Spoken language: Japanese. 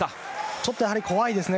ちょっと怖いですね。